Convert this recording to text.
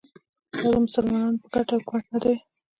دا د مسلمانانو په ګټه حکومت نه دی